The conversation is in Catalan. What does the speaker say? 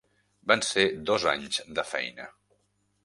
Van ser dos anys de feina.